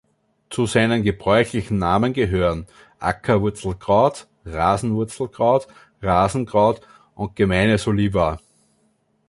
Zu seinen gebräuchlichen Namen gehören Ackerwurzelkraut, Rasenwurzelkraut, Rasenkraut und gemeine Soliva.